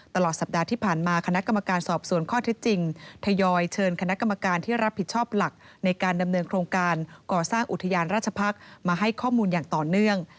ตลอดสัปดาห์ที่ผ่านมาคณะกรรมการสอบสวนข้อเท็จจริงทยอยเชิญคณะกรรมการที่รับผิดชอบหลักในการดำเนินโครงการก่อสร้างอุทยานราชพักษ์มาให้ข้อมูลอย่างต่อเนื่อง